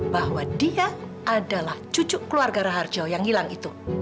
bahwa dia adalah cucu keluarga raharjo yang hilang itu